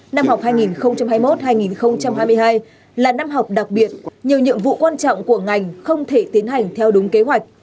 năm học hai nghìn hai mươi một hai nghìn hai mươi hai là năm học đặc biệt nhiều nhiệm vụ quan trọng của ngành không thể tiến hành theo đúng kế hoạch